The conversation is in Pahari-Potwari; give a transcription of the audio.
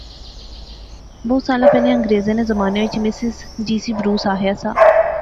بہوں سالاں پہلے انگریریں نے زمانے وچ مسز جی سی بروس آخیا سا